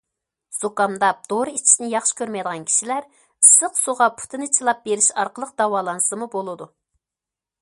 زۇكامداپ دورا ئىچىشنى ياخشى كۆرمەيدىغان كىشىلەر ئىسسىق سۇغا پۇتىنى چىلاپ بېرىش ئارقىلىق داۋالانسىمۇ بولىدۇ.